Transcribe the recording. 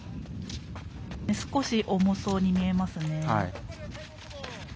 少し重そうに見えますね。